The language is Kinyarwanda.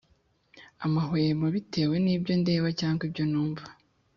amahwemo bitewe n ibyo ndeba cyangwa ibyo numva